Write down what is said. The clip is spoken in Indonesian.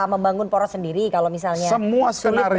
membangun poros sendiri kalau misalnya sulit bergabung ke pdp jawa negeri